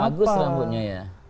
bagus rambutnya ya